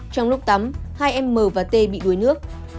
trong lúc tắm hai em m và t bị đuối nước